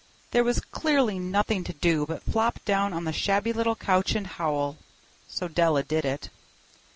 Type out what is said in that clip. There was clearly nothing to do but flop down on the shabby little couch and howl. So Della did it.